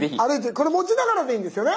これ持ちながらでいいんですよね？